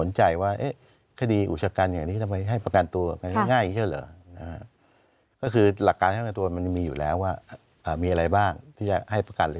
ที่จะให้ประกันหรือไม่ให้ประกัน